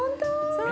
そう。